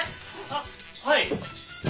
あっはい。